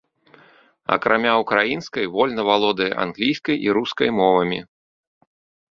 Акрамя ўкраінскай вольна валодае англійскай і рускай мовамі.